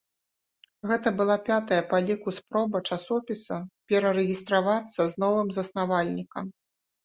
Гэта была пятая па ліку спроба часопіса перарэгістравацца з новым заснавальнікам.